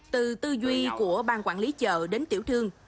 từ tư duy của bang quản lý chợ đến tiểu thương